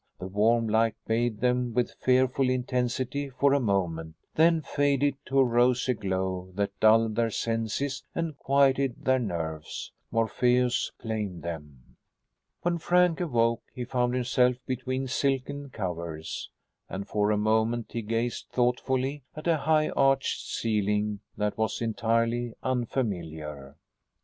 The warm light bathed them with fearful intensity for a moment, then faded to a rosy glow that dulled their senses and quieted their nerves. Morpheus claimed them. When Frank awoke he found himself between silken covers, and for a moment he gazed thoughtfully at a high arched ceiling that was entirely unfamiliar.